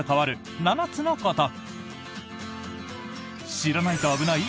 知らないと危ない？